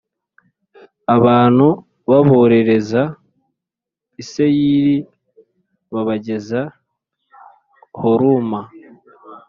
Abantu baborereza i seyiri babageza horuma